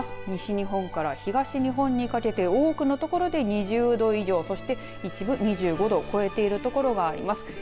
西日本から東日本にかけて多くの所、２０度以上一部、２５度を超えている所があります。